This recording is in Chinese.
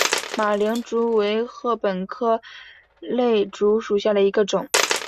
马岭竹为禾本科簕竹属下的一个种。